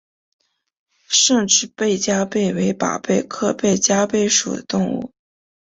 胜枝背焦贝为宝贝科背焦贝属的动物。